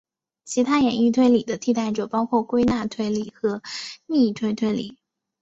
其他演绎推理的替代者包括归纳推理和逆推推理。